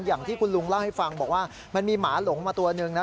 อย่างที่คุณลุงเล่าให้ฟังบอกว่ามันมีหมาหลงมาตัวหนึ่งนะ